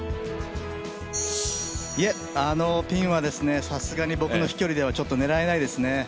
いえ、あのピンはさすがに僕の飛距離では狙えないですね。